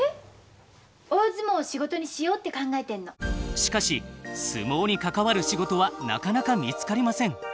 しかし相撲に関わる仕事はなかなか見つかりません。